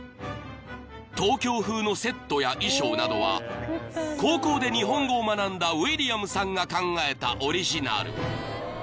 ［東京風のセットや衣装などは高校で日本語を学んだウィリアムさんが考えたオリジナル］